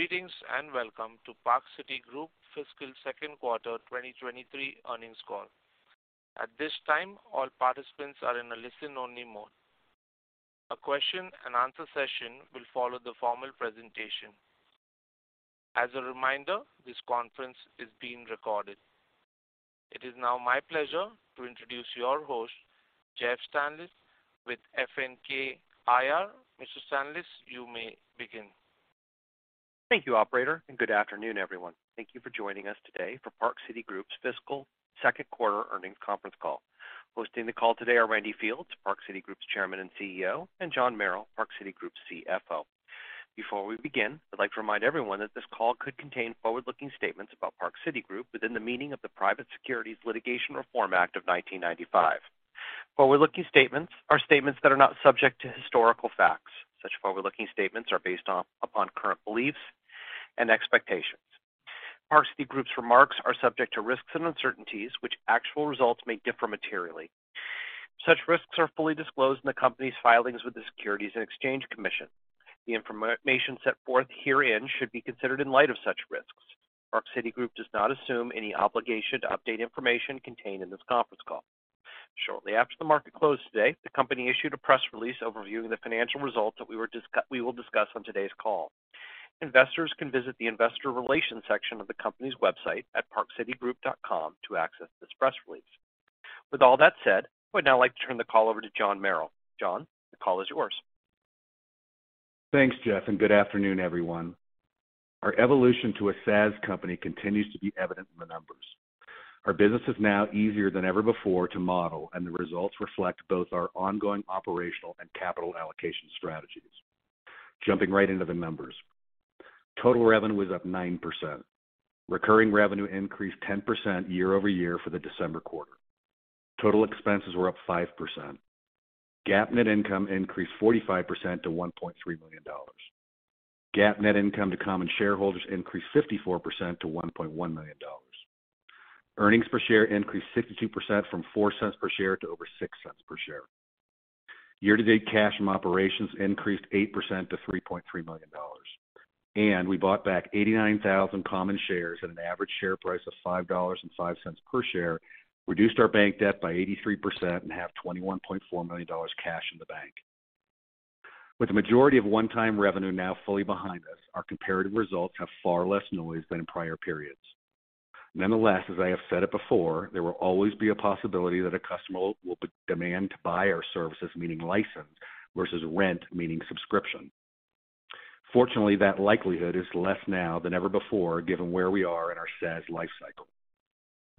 Greetings and welcome to Park City Group fiscal second quarter 2023 earnings call. At this time, all participants are in a listen-only mode. A question-and-answer session will follow the formal presentation. As a reminder, this conference is being recorded. It is now my pleasure to introduce your host, Jeff Stanlis with FNK IR. Mr. Stanlis, you may begin. Thank you, operator. Good afternoon, everyone. Thank you for joining us today for Park City Group's fiscal second quarter earnings conference call. Hosting the call today are Randy Fields, Park City Group's Chairman and CEO, and John Merrill, Park City Group's CFO. Before we begin, I'd like to remind everyone that this call could contain forward looking statements about Park City Group within the meaning of the Private Securities Litigation Reform Act of 1995. Forward looking statements are statements that are not subject to historical facts. Such forward looking statements are based upon current beliefs and expectations. Park City Group's remarks are subject to risks and uncertainties which actual results may differ materially. Such risks are fully disclosed in the company's filings with the Securities and Exchange Commission. The information set forth herein should be considered in light of such risks. Park City Group does not assume any obligation to update information contained in this conference call. Shortly after the market closed today, the company issued a press release overviewing the financial results that we will discuss on today's call. Investors can visit the investor relations section of the company's website at parkcitygroup.com to access this press release. With all that said, I would now like to turn the call over to John Merrill. John, the call is yours. Thanks, Jeff. Good afternoon, everyone. Our evolution to a SaaS company continues to be evident in the numbers. Our business is now easier than ever before to model. The results reflect both our ongoing operational and capital allocation strategies. Jumping right into the numbers. Total revenue was up 9%. Recurring revenue increased 10% year-over-year for the December quarter. Total expenses were up 5%. GAAP net income increased 45% to $1.3 million. GAAP net income to common shareholders increased 54% to $1.1 million. Earnings per share increased 62% from $0.04 per share to over $0.06 per share. Year to date cash from operations increased 8% to $3.3 million. We bought back 89,000 common shares at an average share price of $5.05 per share, reduced our bank debt by 83%, and have $21.4 million cash in the bank. With the majority of one time revenue now fully behind us, our comparative results have far less noise than in prior periods. Nonetheless, as I have said it before, there will always be a possibility that a customer will demand to buy our services, meaning license, versus rent, meaning subscription. Fortunately, that likelihood is less now than ever before, given where we are in our SaaS life cycle.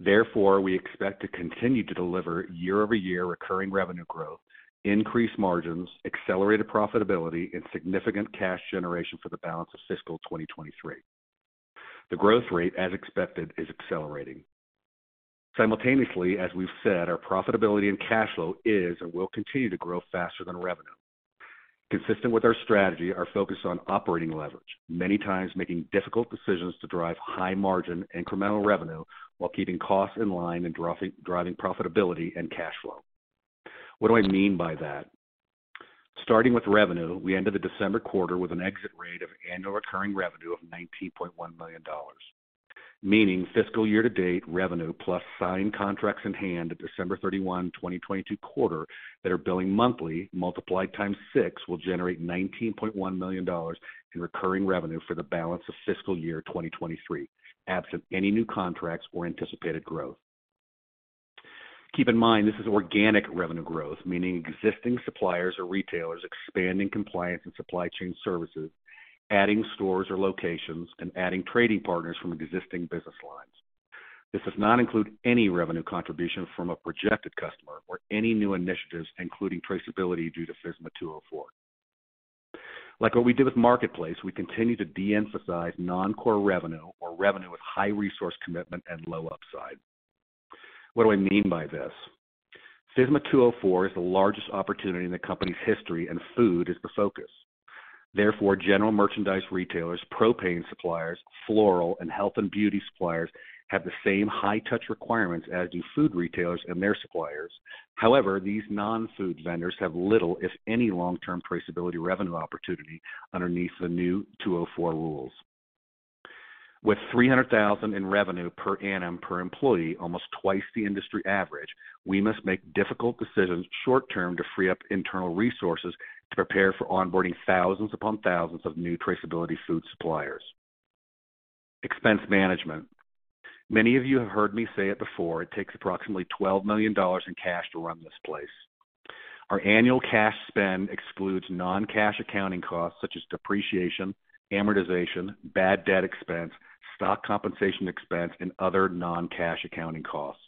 Therefore, we expect to continue to deliver year-over-year recurring revenue growth, increased margins, accelerated profitability, and significant cash generation for the balance of fiscal 2023. The growth rate, as expected, is accelerating. Simultaneously, as we've said, our profitability and cash flow is and will continue to grow faster than revenue. Consistent with our strategy, our focus on operating leverage, many times making difficult decisions to drive high margin incremental revenue while keeping costs in line and driving profitability and cash flow. What do I mean by that? Starting with revenue, we ended the December quarter with an exit rate of annual recurring revenue of $19.1 million, meaning fiscal year-to-date revenue plus signed contracts in hand at December 31, 2022 quarter that are billing monthly multiplied times six will generate $19.1 million in recurring revenue for the balance of fiscal year 2023, absent any new contracts or anticipated growth. Keep in mind, this is organic revenue growth, meaning existing suppliers or retailers expanding compliance and supply chain services, adding stores or locations, and adding trading partners from existing business lines. This does not include any revenue contribution from a projected customer or any new initiatives, including traceability due to FSMA 204. Like what we did with MarketPlace, we continue to de-emphasize non core revenue or revenue with high resource commitment and low upside. What do I mean by this? FSMA 204 is the largest opportunity in the company's history, and food is the focus. Therefore, general merchandise retailers, propane suppliers, floral, and health and beauty suppliers have the same high touch requirements as do food retailers and their suppliers. However, these non-food vendors have little, if any, long-term traceability revenue opportunity underneath the new 204 rules. With $300,000 in revenue per annum per employee, almost twice the industry average, we must make difficult decisions short term to free up internal resources to prepare for onboarding thousands upon thousands of new traceability food suppliers. Expense management. Many of you have heard me say it before, it takes approximately $12 million in cash to run this place. Our annual cash spend excludes non cash accounting costs such as depreciation, amortization, bad debt expense, stock compensation expense, and other non-cash accounting costs.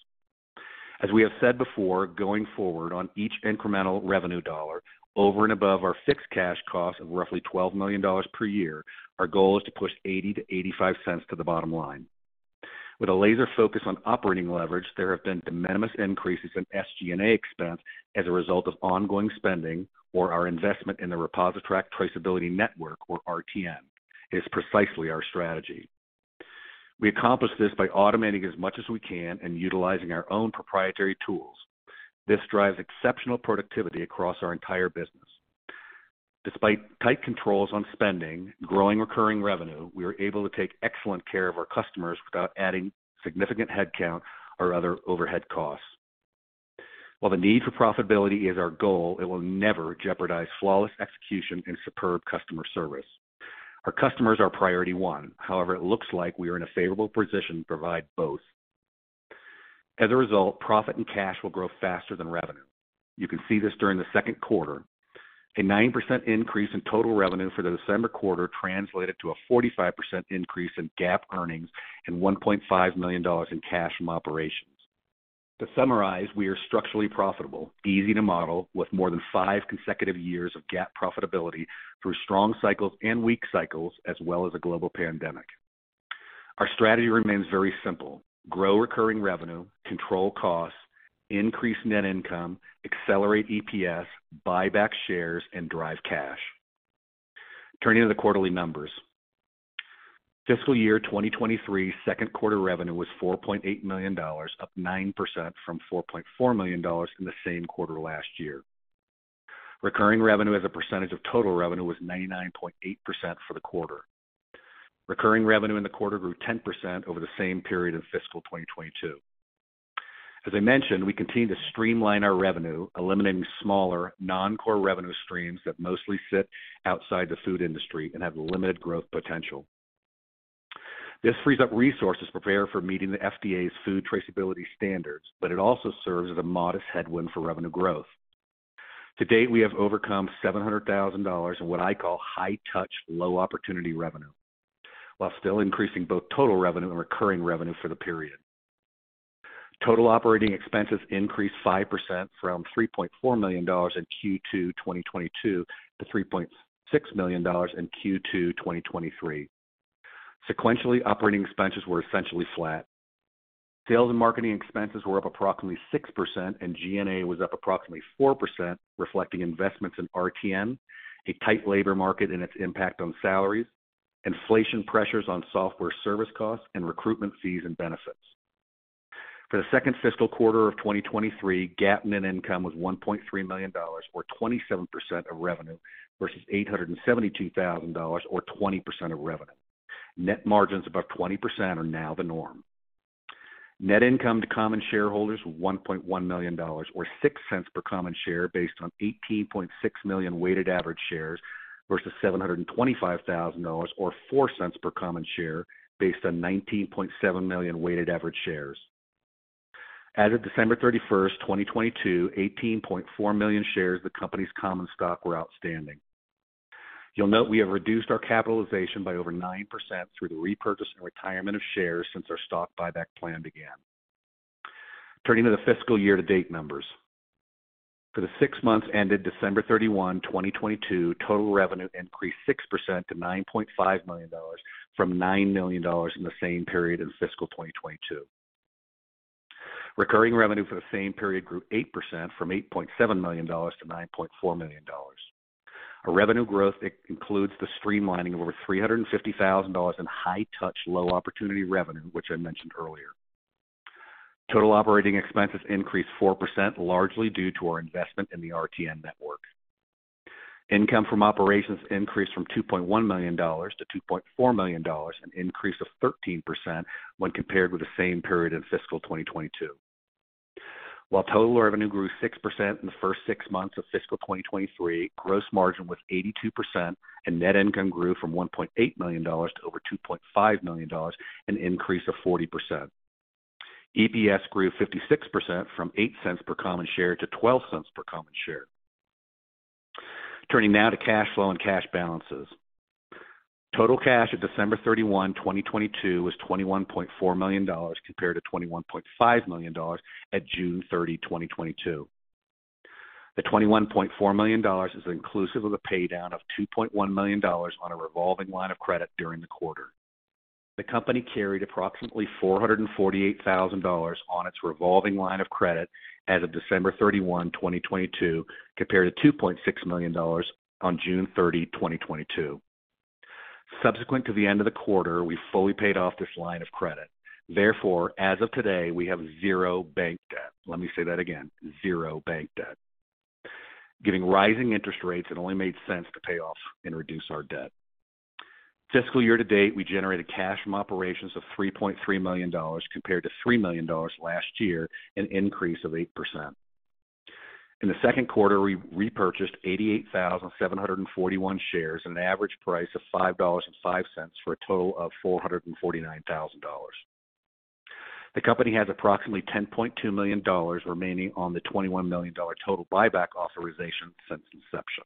As we have said before, going forward on each incremental revenue dollar over and above our fixed cash cost of roughly $12 million per year, our goal is to push $0.80-$0.85 to the bottom line. With a laser focus on operating leverage, there have been de minimis increases in SG&A expense as a result of ongoing spending or our investment in the ReposiTrak Traceability Network or RTN is precisely our strategy. We accomplish this by automating as much as we can and utilizing our own proprietary tools. This drives exceptional productivity across our entire business. Despite tight controls on spending, growing recurring revenue, we are able to take excellent care of our customers without adding significant headcount or other overhead costs. While the need for profitability is our goal, it will never jeopardize flawless execution and superb customer service. Our customers are priority one. However, it looks like we are in a favorable position to provide both. As a result, profit and cash will grow faster than revenue. You can see this during the second quarter. A 9% increase in total revenue for the December quarter translated to a 45% increase in GAAP earnings and $1.5 million in cash from operations. To summarize, we are structurally profitable, easy to model, with more than five consecutive years of GAAP profitability through strong cycles and weak cycles, as well as a global pandemic. Our strategy remains very simple: grow recurring revenue, control costs, increase net income, accelerate EPS, buy back shares, and drive cash. Turning to the quarterly numbers. Fiscal year 2023 second quarter revenue was $4.8 million, up 9% from $4.4 million in the same quarter last year. Recurring revenue as a percentage of total revenue was 99.8% for the quarter. Recurring revenue in the quarter grew 10% over the same period in fiscal 2022. As I mentioned, we continue to streamline our revenue, eliminating smaller non-core revenue streams that mostly sit outside the food industry and have limited growth potential. This frees up resources to prepare for meeting the FDA's food traceability standards, but it also serves as a modest headwind for revenue growth. To date, we have overcome $700,000 in what I call high-touch, low opportunity revenue, while still increasing both total revenue and recurring revenue for the period. Total operating expenses increased 5% from $3.4 million in Q2 2022 to $3.6 million in Q2 2023. Sequentially, operating expenses were essentially flat. Sales and marketing expenses were up approximately 6%, and G&A was up approximately 4%, reflecting investments in RTN, a tight labor market and its impact on salaries, inflation pressures on software service costs, and recruitment fees and benefits. For the 2nd fiscal quarter of 2023, GAAP net income was $1.3 million or 27% of revenue versus $872,000 or 20% of revenue. Net margins above 20% are now the norm. Net income to common shareholders, $1.1 million or $0.06 per common share based on 18.6 million weighted average shares versus $725,000 or $0.04 per common share based on 19.7 million weighted average shares. As of December 31st, 2022, 18.4 million shares of the company's common stock were outstanding. You'll note we have reduced our capitalization by over 9% through the repurchase and retirement of shares since our stock buyback plan began. Turning to the fiscal year-to-date numbers. For the six months ended December 31, 2022, total revenue increased 6% to $9.5 million from $9 million in the same period in fiscal 2022. Recurring revenue for the same period grew 8% from $8.7 million to $9.4 million. Our revenue growth includes the streamlining of over $350,000 in high-touch, low-opportunity revenue, which I mentioned earlier. Total operating expenses increased 4%, largely due to our investment in the RTN network. Income from operations increased from $2.1 million to $2.4 million, an increase of 13% when compared with the same period in fiscal 2022. While total revenue grew 6% in the first six months of fiscal 2023, gross margin was 82% and net income grew from $1.8 million to over $2.5 million, an increase of 40%. EPS grew 56% from $0.08 per common share to $0.12 per common share. Turning now to cash flow and cash balances. Total cash at December 31, 2022 was $21.4 million compared to $21.5 million at June 30, 2022. The $21.4 million is inclusive of a paydown of $2.1 million on a revolving line of credit during the quarter. The company carried approximately $448,000 on its revolving line of credit as of December 31, 2022, compared to $2.6 million on June 30, 2022. Subsequent to the end of the quarter, we fully paid off this line of credit. As of today, we have zero bank debt. Let me say that again. Zero bank debt. Given rising interest rates, it only made sense to pay off and reduce our debt. Fiscal year to date, we generated cash from operations of $3.3 million compared to $3 million last year, an increase of 8%. In the second quarter, we repurchased 88,741 shares at an average price of $5.05 for a total of $449,000. The company has approximately $10.2 million remaining on the $21 million total buyback authorization since inception.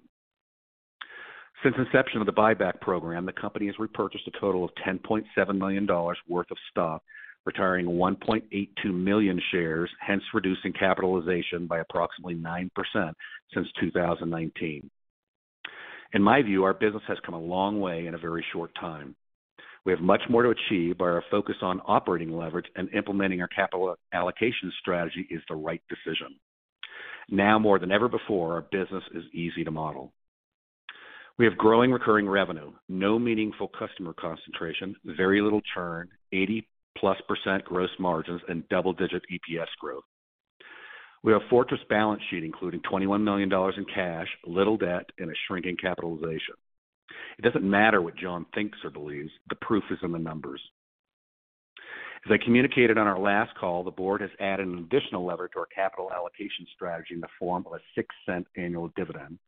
Since inception of the buyback program, the company has repurchased a total of $10.7 million worth of stock, retiring 1.82 million shares, hence reducing capitalization by approximately 9% since 2019. In my view, our business has come a long way in a very short time. We have much more to achieve, our focus on operating leverage and implementing our capital allocation strategy is the right decision. Now more than ever before, our business is easy to model. We have growing recurring revenue, no meaningful customer concentration, very little churn, 80+% gross margins and double-digit EPS growth. We have fortress balance sheet, including $21 million in cash, little debt, and a shrinking capitalization. It doesn't matter what John thinks or believes. The proof is in the numbers. As I communicated on our last call, the board has added an additional lever to our capital allocation strategy in the form of a $0.06 annual dividend,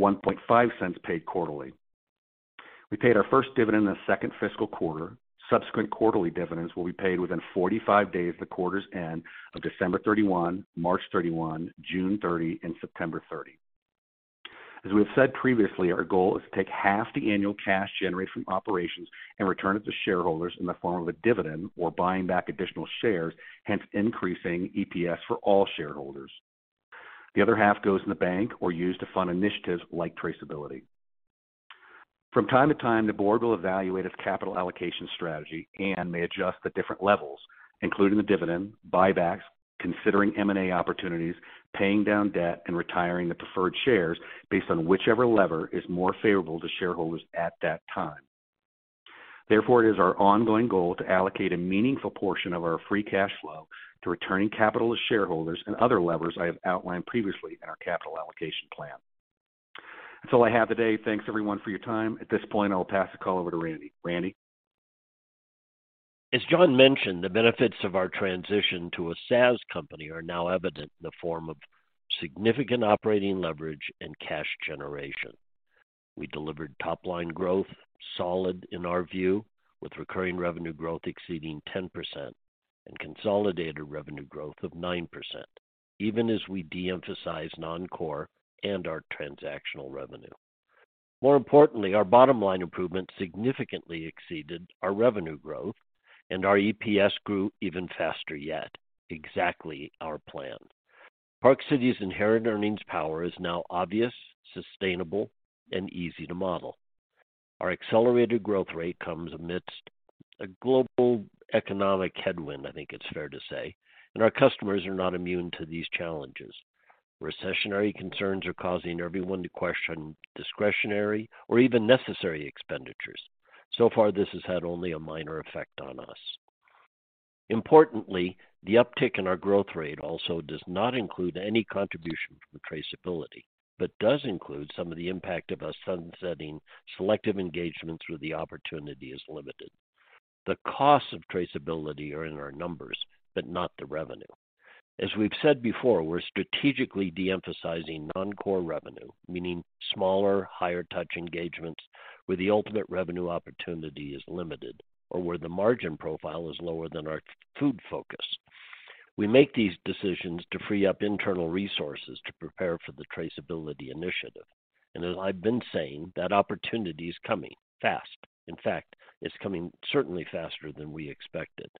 $0.015 paid quarterly. We paid our first dividend in the second fiscal quarter. Subsequent quarterly dividends will be paid within 45 days of the quarter's end of December 31, March 31, June 30, and September 30. As we have said previously, our goal is to take half the annual cash generated from operations and return it to shareholders in the form of a dividend or buying back additional shares, hence increasing EPS for all shareholders. The other half goes in the bank or used to fund initiatives like traceability. From time to time, the board will evaluate its capital allocation strategy and may adjust the different levels, including the dividend, buybacks, considering M&A opportunities, paying down debt, and retiring the preferred shares based on whichever lever is more favorable to shareholders at that time. It is our ongoing goal to allocate a meaningful portion of our free cash flow to returning capital to shareholders and other levers I have outlined previously in our capital allocation plan. That's all I have today. Thanks, everyone, for your time. At this point, I'll pass the call over to Randy. Randy? As John mentioned, the benefits of our transition to a SaaS company are now evident in the form of significant operating leverage and cash generation. We delivered top-line growth, solid in our view, with recurring revenue growth exceeding 10% and consolidated revenue growth of 9%, even as we de-emphasize non-core and our transactional revenue. Our bottom-line improvement significantly exceeded our revenue growth, and our EPS grew even faster yet. Exactly our plan. Park City's inherent earnings power is now obvious, sustainable, and easy to model. Our accelerated growth rate comes amidst a global economic headwind, I think it's fair to say, and our customers are not immune to these challenges. Recessionary concerns are causing everyone to question discretionary or even necessary expenditures. So far, this has had only a minor effect on us. Importantly, the uptick in our growth rate also does not include any contribution from traceability, but does include some of the impact of us sunsetting selective engagements where the opportunity is limited. The costs of traceability are in our numbers, but not the revenue. As we've said before, we're strategically de-emphasizing non-core revenue, meaning smaller, higher touch engagements where the ultimate revenue opportunity is limited or where the margin profile is lower than our food focus. We make these decisions to free up internal resources to prepare for the traceability initiative. As I've been saying, that opportunity is coming fast. In fact, it's coming certainly faster than we expected.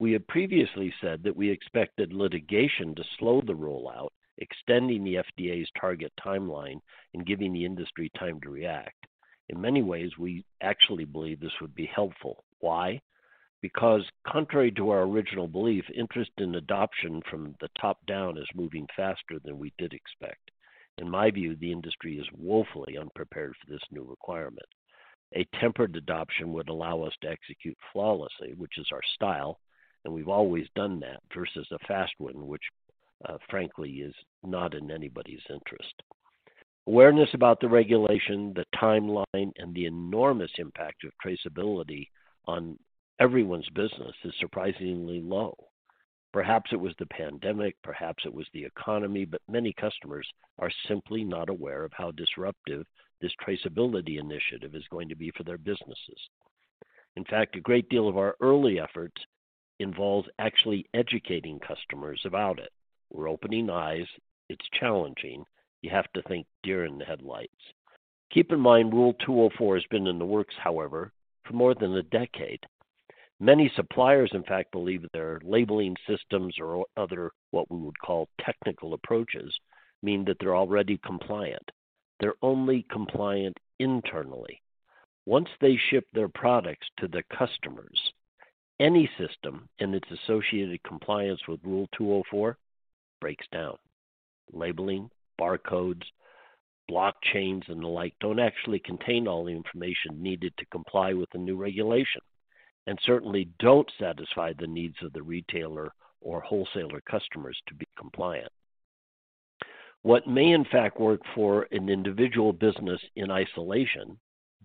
We had previously said that we expected litigation to slow the rollout, extending the FDA's target timeline and giving the industry time to react. In many ways, we actually believe this would be helpful. Why? Contrary to our original belief, interest in adoption from the top down is moving faster than we did expect. In my view, the industry is woefully unprepared for this new requirement. A tempered adoption would allow us to execute flawlessly, which is our style, and we've always done that, versus a fast one, which frankly is not in anybody's interest. Awareness about the regulation, the timeline, and the enormous impact of traceability on everyone's business is surprisingly low. Perhaps it was the pandemic, perhaps it was the economy, many customers are simply not aware of how disruptive this traceability initiative is going to be for their businesses. In fact, a great deal of our early efforts involves actually educating customers about it. We're opening eyes. It's challenging. You have to think deer in the headlights. Keep in mind, Rule 204 has been in the works, however, for more than a decade. Many suppliers, in fact, believe their labeling systems or other, what we would call technical approaches, mean that they're already compliant. They're only compliant internally. Once they ship their products to the customers, any system and its associated compliance with Rule 204 breaks down. Labeling, barcodes, blockchains, and the like don't actually contain all the information needed to comply with the new regulation, and certainly don't satisfy the needs of the retailer or wholesaler customers to be compliant. What may, in fact, work for an individual business in isolation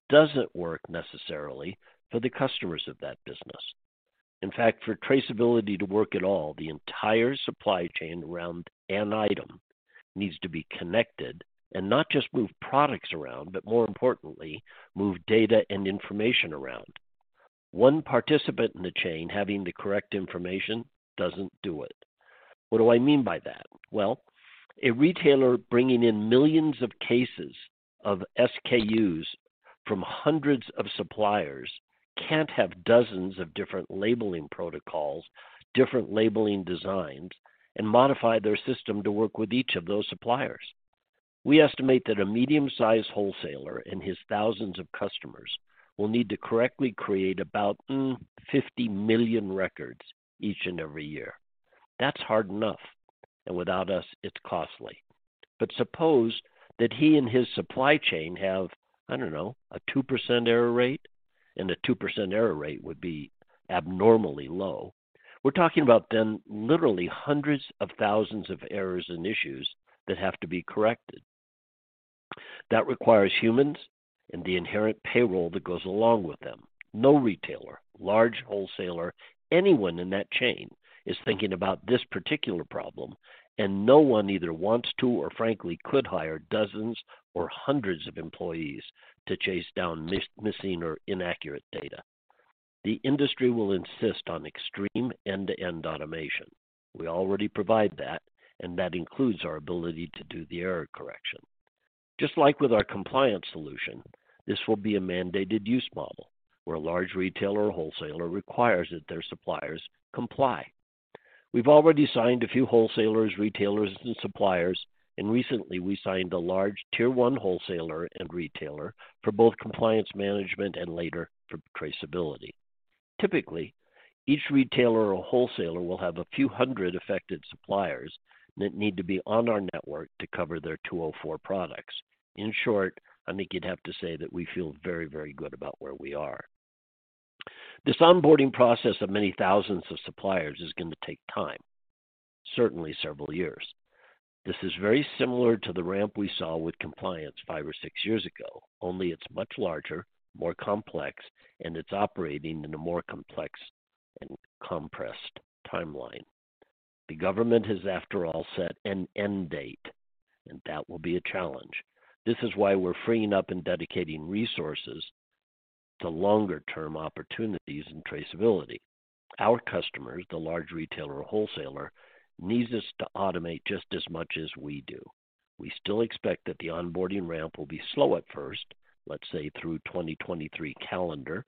doesn't work necessarily for the customers of that business. In fact, for traceability to work at all, the entire supply chain around an item needs to be connected and not just move products around, but more importantly, move data and information around. One participant in the chain having the correct information doesn't do it. What do I mean by that? Well, a retailer bringing in millions of cases of SKUs from hundreds of suppliers can't have dozens of different labeling protocols, different labeling designs, and modify their system to work with each of those suppliers. We estimate that a medium-sized wholesaler and his thousands of customers will need to correctly create about 50 million records each and every year. That's hard enough, and without us, it's costly. Suppose that he and his supply chain have, I don't know, a 2% error rate, and a 2% error rate would be abnormally low. We're talking about literally hundreds of thousands of errors and issues that have to be corrected. That requires humans and the inherent payroll that goes along with them. No retailer, large wholesaler, anyone in that chain is thinking about this particular problem, and no one either wants to or frankly could hire dozens or hundreds of employees to chase down missing or inaccurate data. The industry will insist on extreme end-to-end automation. We already provide that, and that includes our ability to do the error correction. Just like with our compliance solution, this will be a mandated use model where a large retailer or wholesaler requires that their suppliers comply. We've already signed a few wholesalers, retailers, and suppliers, and recently we signed a large Tier 1 wholesaler and retailer for both compliance management and later for traceability. Typically, each retailer or wholesaler will have a few hundred affected suppliers that need to be on our network to cover their 204 products. In short, I think you'd have to say that we feel very, very good about where we are. This onboarding process of many thousands of suppliers is going to take time, certainly several years. This is very similar to the ramp we saw with compliance five or six years ago, only it's much larger, more complex, and it's operating in a more complex and compressed timeline. The government has, after all, set an end date, and that will be a challenge. This is why we're freeing up and dedicating resources to longer-term opportunities in traceability. Our customers, the large retailer or wholesaler, needs us to automate just as much as we do. We still expect that the onboarding ramp will be slow at first, let's say through 2023 calendar,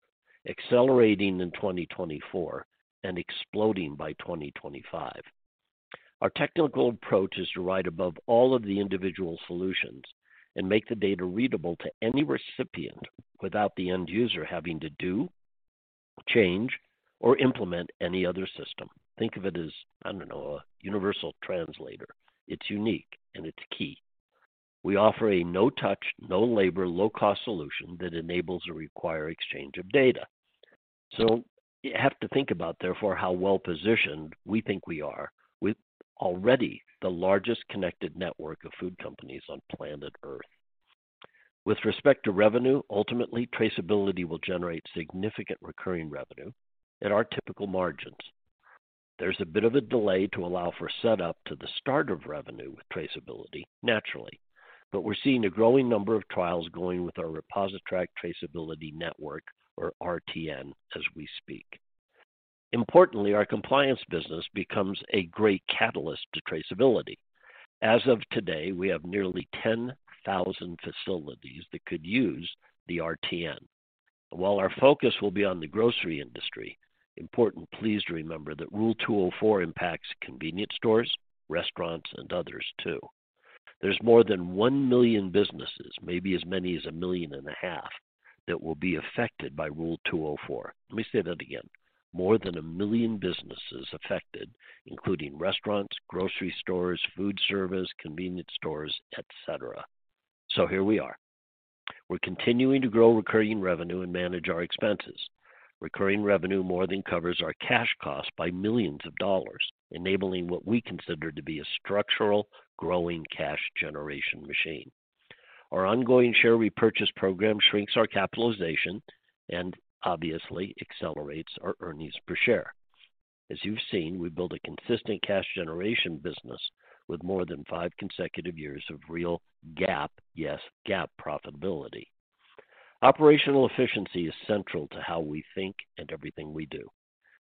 accelerating in 2024, and exploding by 2025. Our technical approach is to ride above all of the individual solutions and make the data readable to any recipient without the end user having to do, change, or implement any other system. Think of it as, I don't know, a universal translator. It's unique, and it's key. We offer a no-touch, no-labor, low-cost solution that enables a required exchange of data. You have to think about, therefore, how well-positioned we think we are with already the largest connected network of food companies on planet Earth. With respect to revenue, ultimately, traceability will generate significant recurring revenue at our typical margins. There's a bit of a delay to allow for setup to the start of revenue with traceability, naturally, but we're seeing a growing number of trials going with our ReposiTrak Traceability Network, or RTN, as we speak. Importantly, our compliance business becomes a great catalyst to traceability. As of today, we have nearly 10,000 facilities that could use the RTN. While our focus will be on the grocery industry, important, please remember that Rule 204 impacts convenience stores, restaurants, and others, too. There's more than 1 million businesses, maybe as many as a million and a half, that will be affected by Rule 204. Let me say that again. More than 1 million businesses affected, including restaurants, grocery stores, food service, convenience stores, et cetera. Here we are. We're continuing to grow recurring revenue and manage our expenses. Recurring revenue more than covers our cash costs by millions of dollars, enabling what we consider to be a structural, growing cash generation machine. Our ongoing share repurchase program shrinks our capitalization and, obviously, accelerates our earnings per share. As you've seen, we build a consistent cash generation business with more than 5 consecutive years of real GAAP, yes, GAAP profitability. Operational efficiency is central to how we think and everything we do.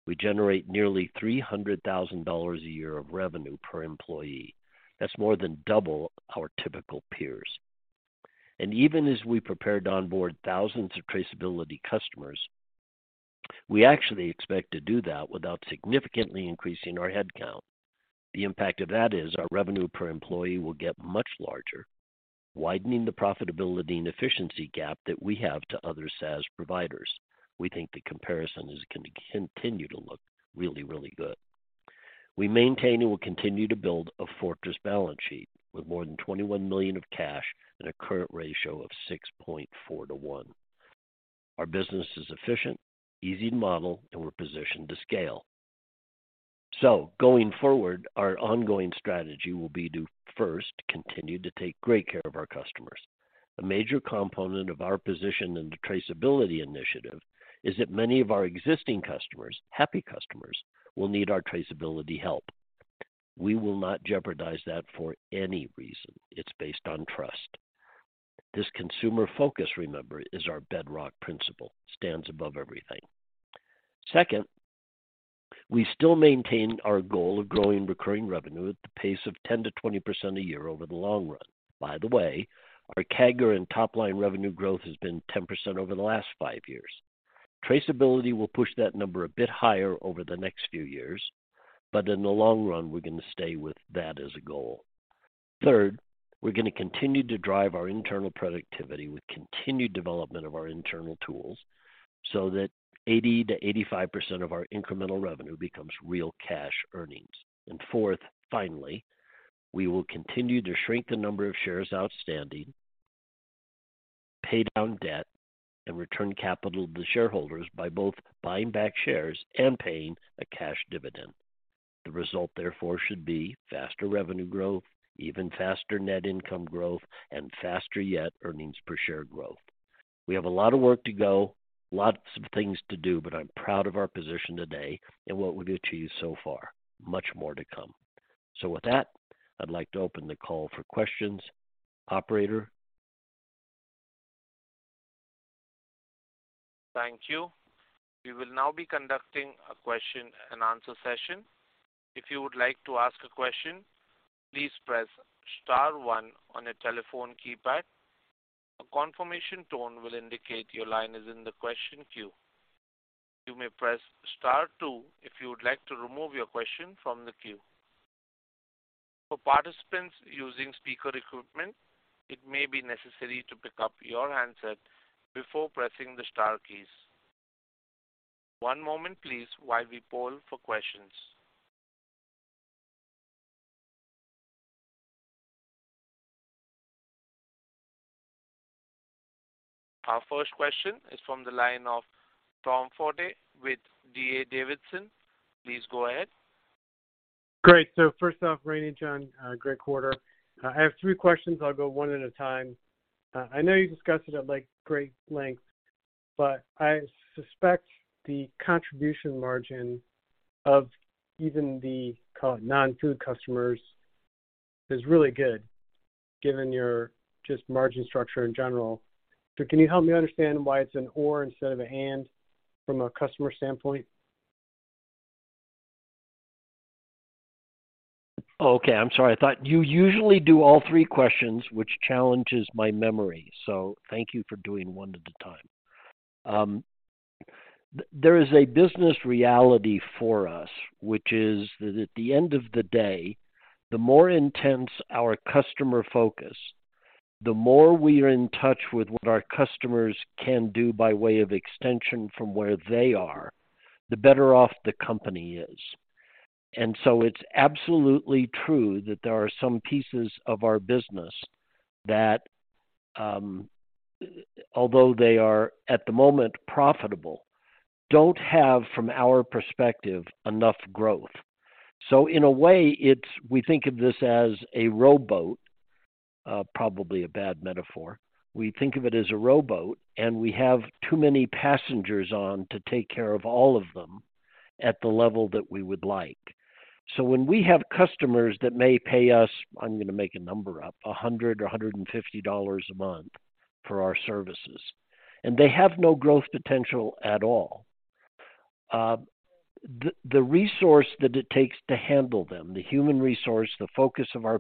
We generate nearly $300,000 a year of revenue per employee. That's more than double our typical peers. Even as we prepare to onboard thousands of traceability customers, we actually expect to do that without significantly increasing our headcount. The impact of that is our revenue per employee will get much larger, widening the profitability and efficiency gap that we have to other SaaS providers. We think the comparison is going to continue to look really, really good. We maintain and will continue to build a fortress balance sheet with more than $21 million of cash and a current ratio of 6.4 to one. Our business is efficient, easy to model, and we're positioned to scale. Going forward, our ongoing strategy will be to first continue to take great care of our customers. A major component of our position in the traceability initiative is that many of our existing customers, happy customers, will need our traceability help. We will not jeopardize that for any reason. It's based on trust. This consumer focus, remember, is our bedrock principle. It stands above everything. Second, we still maintain our goal of growing recurring revenue at the pace of 10%-20% a year over the long run. By the way, our CAGR and top-line revenue growth has been 10% over the last five years. Traceability will push that number a bit higher over the next few years, but in the long run, we're going to stay with that as a goal. Third, we're gonna continue to drive our internal productivity with continued development of our internal tools so that 80%-85% of our incremental revenue becomes real cash earnings. Fourth, finally, we will continue to shrink the number of shares outstanding, pay down debt, and return capital to shareholders by both buying back shares and paying a cash dividend. The result, therefore, should be faster revenue growth, even faster net income growth, and faster yet earnings per share growth. We have a lot of work to go, lots of things to do, but I'm proud of our position today and what we've achieved so far. Much more to come. With that, I'd like to open the call for questions. Operator? Thank you. We will now be conducting a question and answer session. If you would like to ask a question, please press star one on your telephone keypad. A confirmation tone will indicate your line is in the question queue. You may press star two if you would like to remove your question from the queue. For participants using speaker equipment, it may be necessary to pick up your handset before pressing the star keys. One moment, please, while we poll for questions. Our first question is from the line of Tom Forte with D.A. Davidson. Please go ahead. Great. First off, Randy and John, great quarter. I have three questions. I'll go one at a time. I know you discussed it at, like, great length, but I suspect the contribution margin of even the, call it, non-food customers is really good given your just margin structure in general. Can you help me understand why it's an or instead of and from a customer standpoint? Okay. I'm sorry. I thought you usually do all three questions, which challenges my memory. Thank you for doing one at a time. There is a business reality for us, which is that at the end of the day, the more intense our customer focus, the more we are in touch with what our customers can do by way of extension from where they are, the better off the company is. It's absolutely true that there are some pieces of our business that, although they are at the moment profitable, don't have from our perspective, enough growth. In a way, it's we think of this as a rowboat, probably a bad metaphor. We think of it as a rowboat, we have too many passengers on to take care of all of them at the level that we would like. When we have customers that may pay us, I'm gonna make a number up, $100 or $150 a month for our services, and they have no growth potential at all, the resource that it takes to handle them, the human resource, the focus of our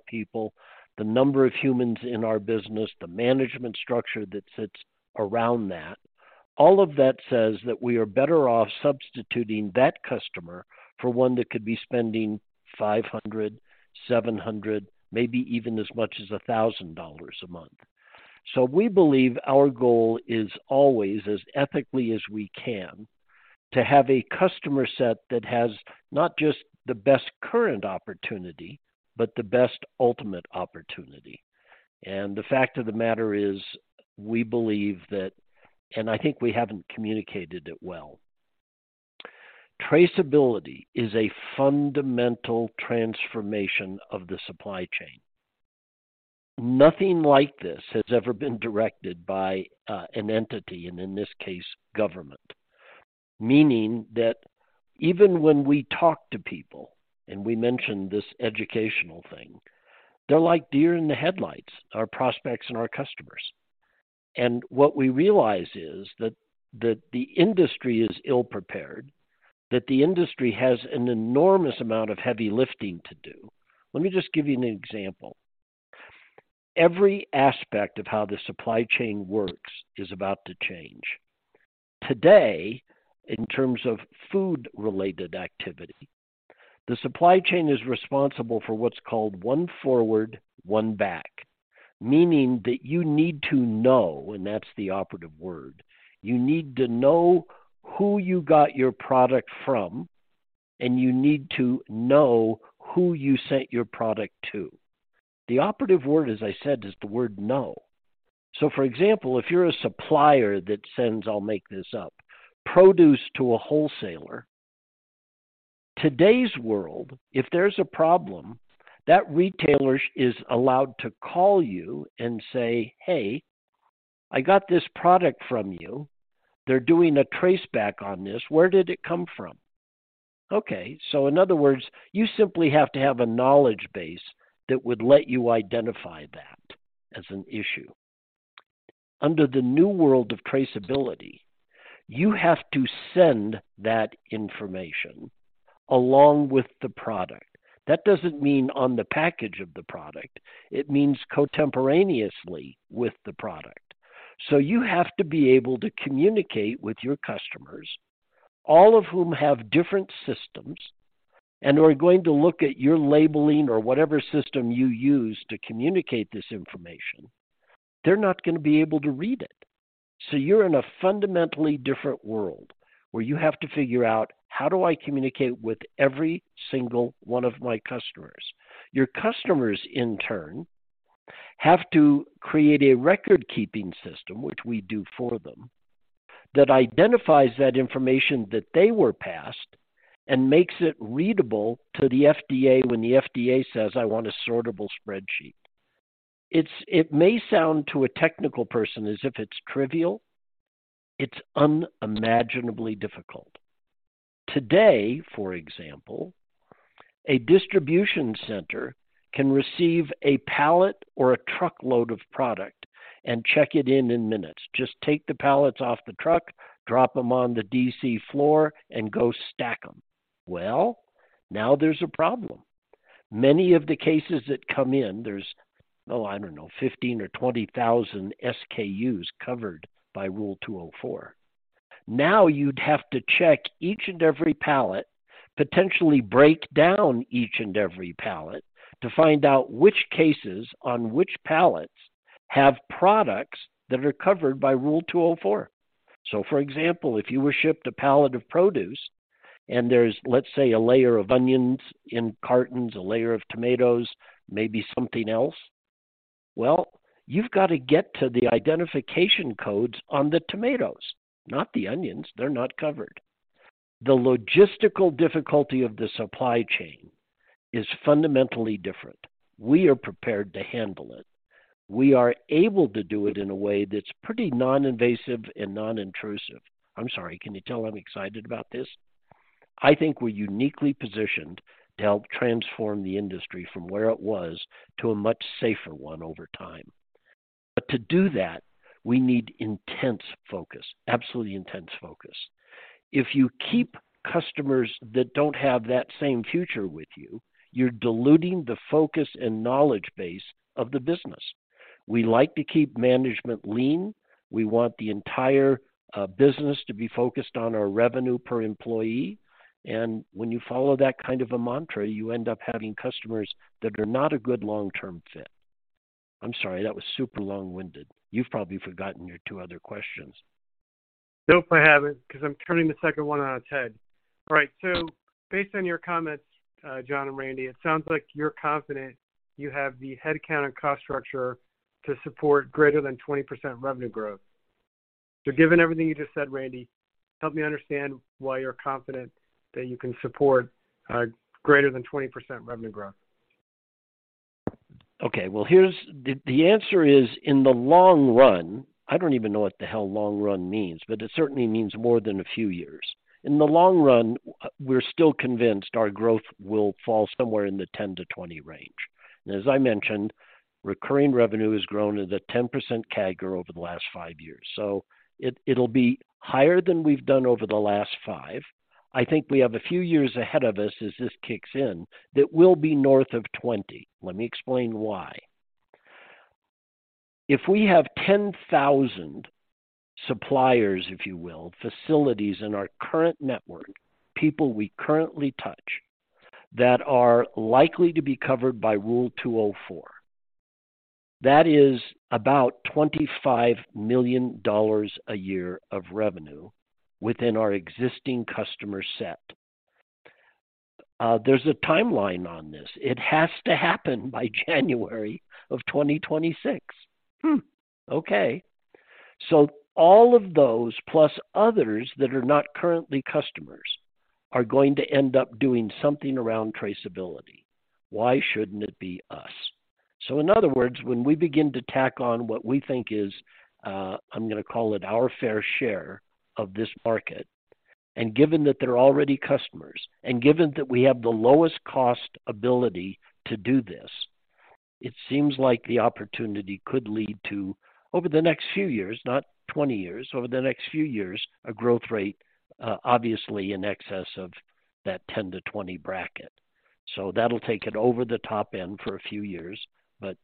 people, the number of humans in our business, the management structure that sits around that, all of that says that we are better off substituting that customer for one that could be spending $500, $700, maybe even as much as $1,000 a month. We believe our goal is always as ethically as we can to have a customer set that has not just the best current opportunity, but the best ultimate opportunity. The fact of the matter is we believe that. I think we haven't communicated it well. Traceability is a fundamental transformation of the supply chain. Nothing like this has ever been directed by an entity, and in this case, government. Meaning that even when we talk to people, and we mention this educational thing, they're like deer in the headlights, our prospects and our customers. What we realize is that the industry is ill-prepared, that the industry has an enormous amount of heavy lifting to do. Let me just give you an example. Every aspect of how the supply chain works is about to change. Today, in terms of food-related activity, the supply chain is responsible for what's called one forward, one back, meaning that you need to know, and that's the operative word, you need to know who you got your product from, and you need to know who you sent your product to. The operative word, as I said, is the word know. For example, if you're a supplier that sends, I'll make this up, produce to a wholesaler, today's world, if there's a problem, that retailer is allowed to call you and say, "Hey, I got this product from you. They're doing a traceback on this. Where did it come from?" In other words, you simply have to have a knowledge base that would let you identify that as an issue. Under the new world of traceability, you have to send that information along with the product. That doesn't mean on the package of the product. It means contemporaneously with the product. You have to be able to communicate with your customers. All of whom have different systems and are going to look at your labeling or whatever system you use to communicate this information, they're not gonna be able to read it. You're in a fundamentally different world where you have to figure out, how do I communicate with every single one of my customers? Your customers in turn have to create a record-keeping system, which we do for them, that identifies that information that they were passed and makes it readable to the FDA when the FDA says, "I want a sortable spreadsheet." It may sound to a technical person as if it's trivial. It's unimaginably difficult. Today, for example, a distribution center can receive a pallet or a truckload of product and check it in in minutes. Just take the pallets off the truck, drop them on the DC floor, and go stack them. Well, now there's a problem. Many of the cases that come in, there's, oh, I don't know, 15,000 or 20,000 SKUs covered by Rule 204. You'd have to check each and every pallet, potentially break down each and every pallet to find out which cases on which pallets have products that are covered by Rule 204. For example, if you were shipped a pallet of produce and there's, let's say, a layer of onions in cartons, a layer of tomatoes, maybe something else, well, you've got to get to the identification codes on the tomatoes, not the onions. They're not covered. The logistical difficulty of the supply chain is fundamentally different. We are prepared to handle it. We are able to do it in a way that's pretty non-invasive and non-intrusive. I'm sorry, can you tell I'm excited about this? I think we're uniquely positioned to help transform the industry from where it was to a much safer one over time. To do that, we need intense focus, absolutely intense focus. If you keep customers that don't have that same future with you're diluting the focus and knowledge base of the business. We like to keep management lean. We want the entire business to be focused on our revenue per employee. When you follow that kind of a mantra, you end up having customers that are not a good long-term fit. I'm sorry, that was super long-winded. You've probably forgotten your two other questions. Nope, I haven't, 'cause I'm turning the second one on its head. All right. Based on your comments, John and Randy, it sounds like you're confident you have the head count and cost structure to support greater than 20% revenue growth. Given everything you just said, Randy, help me understand why you're confident that you can support greater than 20% revenue growth. Okay, well, here's. The answer is in the long run, I don't even know what the hell long run means, but it certainly means more than a few years. In the long run, we're still convinced our growth will fall somewhere in the ten to 20% range. As I mentioned, recurring revenue has grown at a 10% CAGR over the last five years. It'll be higher than we've done over the last five. I think we have a few years ahead of us as this kicks in that will be north of 20%. Let me explain why. If we have 10,000 suppliers, if you will, facilities in our current network, people we currently touch that are likely to be covered by Rule 204, that is about $25 million a year of revenue within our existing customer set. There's a timeline on this. It has to happen by January of 2026. All of those plus others that are not currently customers are going to end up doing something around traceability. Why shouldn't it be us? In other words, when we begin to tack on what we think is, I'm gonna call it our fair share of this market, and given that they're already customers, and given that we have the lowest cost ability to do this, it seems like the opportunity could lead to over the next few years, not 20 years, over the next few years, a growth rate, obviously in excess of that 10%-20% bracket. That'll take it over the top end for a few years, but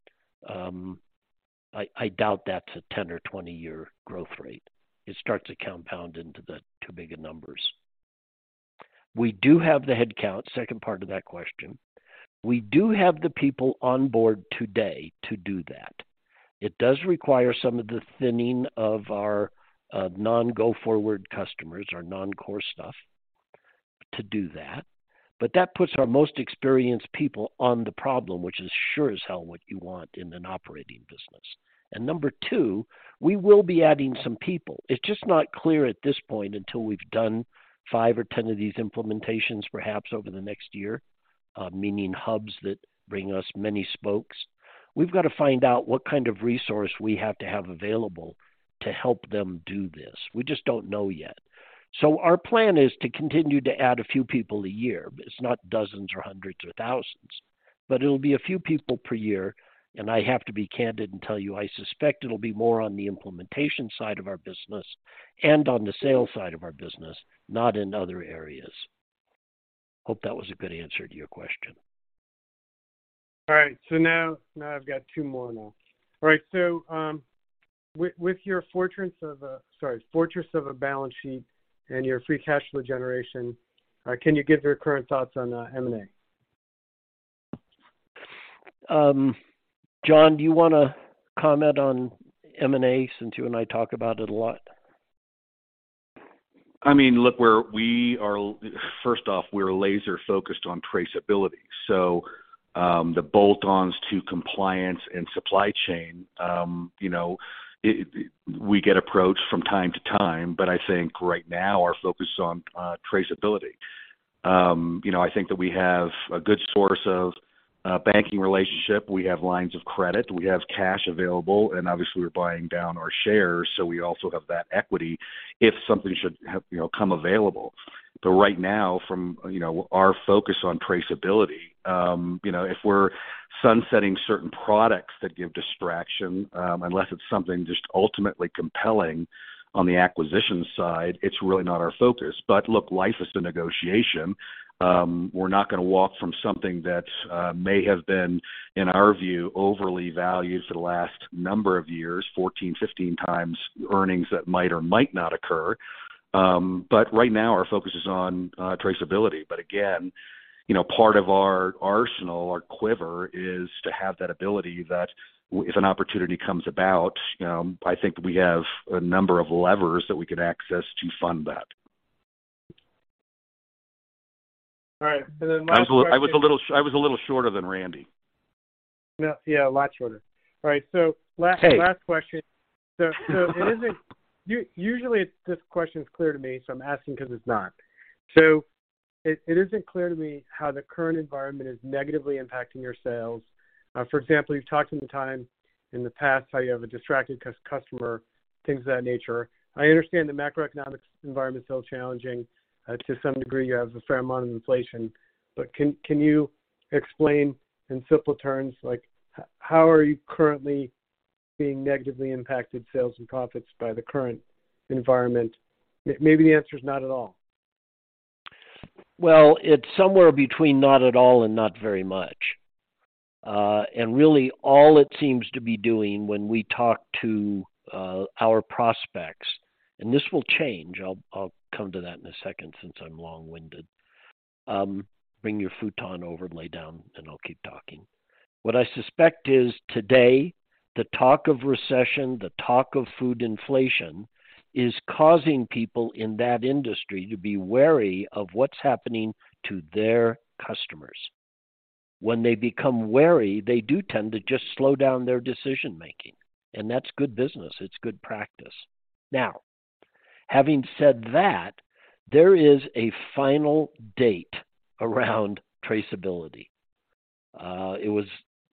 I doubt that's a ten or 20-year growth rate. It starts to compound into the too big a numbers. We do have the headcount, second part of that question. We do have the people on board today to do that. It does require some of the thinning of our non-go-forward customers, our non-core stuff, to do that. That puts our most experienced people on the problem, which is sure as hell what you want in an operating business. Number two, we will be adding some people. It's just not clear at this point until we've done five or 10 of these implementations perhaps over the next year, meaning hubs that bring us many spokes. We've got to find out what kind of resource we have to have available to help them do this. We just don't know yet. Our plan is to continue to add a few people a year. It's not dozens or hundreds or thousands, but it'll be a few people per year. I have to be candid and tell you, I suspect it'll be more on the implementation side of our business and on the sales side of our business, not in other areas. Hope that was a good answer to your question. I've got two more now. With your fortress of a balance sheet and your free cash flow generation, can you give your current thoughts on M&A? John, do you wanna comment on M&A since you and I talk about it a lot? I mean, look, we're laser-focused on traceability. The bolt-ons to compliance and supply chain, you know, we get approached from time to time, but I think right now our focus is on traceability. You know, I think that we have a good source of a banking relationship. We have lines of credit. We have cash available, and obviously, we're buying down our shares, so we also have that equity if something should have, you know, come available. Right now from, you know, our focus on traceability, you know, if we're sunsetting certain products that give distraction, unless it's something just ultimately compelling on the acquisition side, it's really not our focus. Look, life is a negotiation. We're not gonna walk from something that may have been, in our view, overly valued for the last number of years, 14, 15 times earnings that might or might not occur. Right now our focus is on traceability. Again, you know, part of our arsenal, our quiver, is to have that ability that if an opportunity comes about, I think we have a number of levers that we could access to fund that. All right. My question- I was a little shorter than Randy. Yeah, yeah, a lot shorter. All right. Hey. Last question. It isn't. Usually this question is clear to me, so I'm asking 'cause it's not. It isn't clear to me how the current environment is negatively impacting your sales. For example, you've talked many a time in the past how you have a distracted customer, things of that nature. I understand the macroeconomic environment is still challenging. To some degree, you have a fair amount of inflation. Can you explain in simple terms, like, how are you currently being negatively impacted sales and profits by the current environment? Maybe the answer is not at all. Well, it's somewhere between not at all and not very much. Really all it seems to be doing when we talk to our prospects, and this will change. I'll come to that in a second since I'm long-winded. Bring your futon over, lay down, and I'll keep talking. What I suspect is today, the talk of recession, the talk of food inflation is causing people in that industry to be wary of what's happening to their customers. When they become wary, they do tend to just slow down their decision-making, and that's good business. It's good practice. Now, having said that, there is a final date around traceability.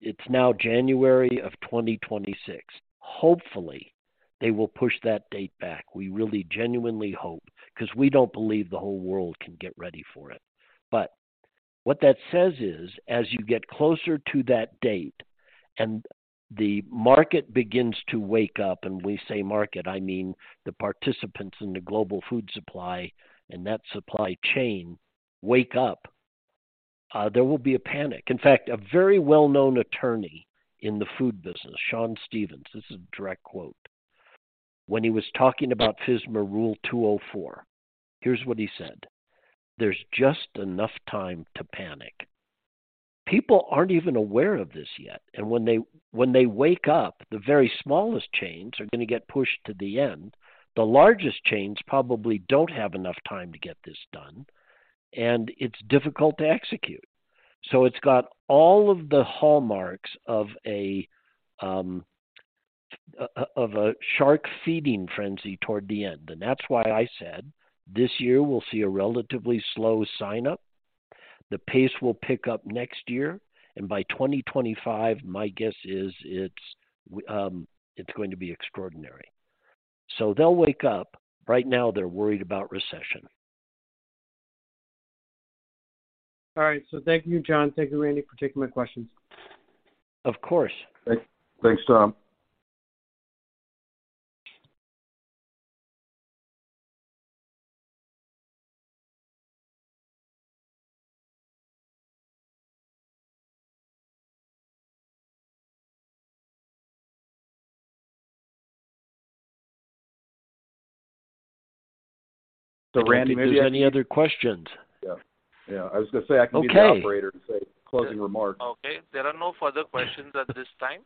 It's now January of 2026. Hopefully, they will push that date back. We really genuinely hope, 'cause we don't believe the whole world can get ready for it. What that says is, as you get closer to that date and the market begins to wake up, and when we say market, I mean the participants in the global food supply and that supply chain wake up, there will be a panic. In fact, a very well known attorney in the food business, Shawn Stevens, this is a direct quote. When he was talking about FSMA Rule 204, here's what he said, "There's just enough time to panic." People aren't even aware of this yet, and when they wake up, the very smallest chains are gonna get pushed to the end. The largest chains probably don't have enough time to get this done, and it's difficult to execute. It's got all of the hallmarks of a shark feeding frenzy toward the end. That's why I said this year we'll see a relatively slow sign up. The pace will pick up next year, by 2025, my guess is it's going to be extraordinary. They'll wake up. Right now, they're worried about recession. All right. Thank you, John. Thank you, Randy, for taking my questions. Of course. Thanks, Tom. Randy, there's any other questions? Yeah. Yeah. I was gonna say I can be the operator- Okay. Say closing remarks. Okay. There are no further questions at this time.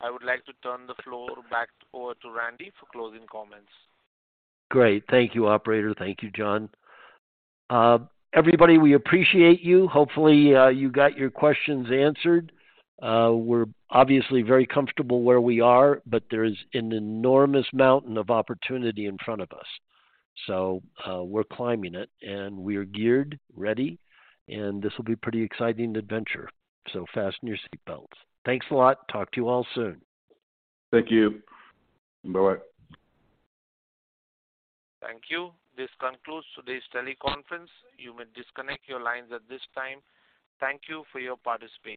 I would like to turn the floor back over to Randy for closing comments. Great. Thank you, operator. Thank you, John. Everybody, we appreciate you. Hopefully, you got your questions answered. We're obviously very comfortable where we are, but there is an enormous mountain of opportunity in front of us. We're climbing it, and we are geared, ready, and this will be pretty exciting adventure. Fasten your seat belts. Thanks a lot. Talk to you all soon. Thank you. Bye bye. Thank you. This concludes today's teleconference. You may disconnect your lines at this time. Thank you for your participation.